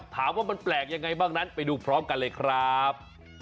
ว่ามันแปลกยังไงบ้างนั้นไปดูพร้อมกันเลยครับ